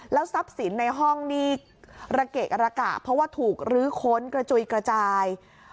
ทรัพย์สินในห้องนี่ระเกะกระกะเพราะว่าถูกลื้อค้นกระจุยกระจาย